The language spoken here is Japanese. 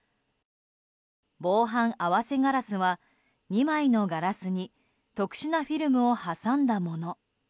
防犯合わせガラスは２枚のガラスに特殊なフィルムを挟んだもの。